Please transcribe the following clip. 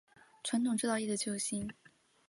传统制造业的救星